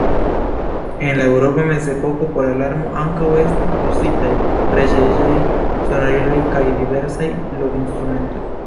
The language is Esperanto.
En la eŭropa mezepoko por alarmo ankaŭ estis uzitaj preĝejaj sonoriloj kaj diversaj blovinstrumentoj.